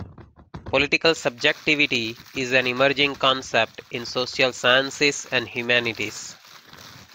Political subjectivity is an emerging concept in social sciences and humanities.